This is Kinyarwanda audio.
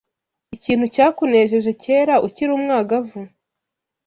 ikintu cyakunejeje kera ukiri umwangavu?